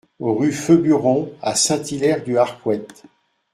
Rue Feburon à Saint-Hilaire-du-Harcouët